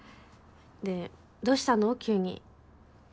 でどうしたの急に？